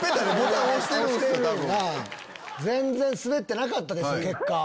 全然すべってなかったですよ